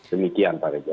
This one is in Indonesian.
demikian pak reza